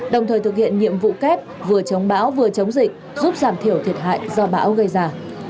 đồng thời thực hiện nhiệm vụ kép vừa chống bão vừa chống dịch giúp giảm thiểu thiệt hại do bão gây ra